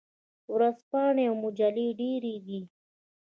ورځپاڼې او مجلې ډیرې دي.